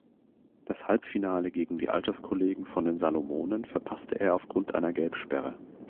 Das Halbfinale gegen die Alterskollegen von den Salomonen verpasste er aufgrund einer Gelbsperre.